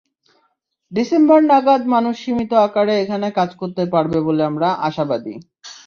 December নাগাদ মানুষ সীমিত আকারে এখানে কাজ করতে পারবে বলে আমরা আশাবাদী।